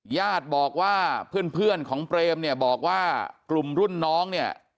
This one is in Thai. ญาติบอกว่าเพื่อนของเปรมเนี่ยบอกว่ากลุ่มรุ่นน้องเนี่ย